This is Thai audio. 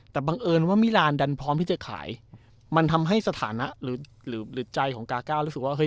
แต่บังเอิญว่ามิรานดันพร้อมที่จะขายมันทำให้สถานะหรือใจของกาก้ารู้สึกว่าเฮ